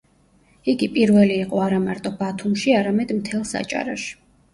იგი პირველი იყო არა მარტო ბათუმში, არამედ მთელს აჭარაში.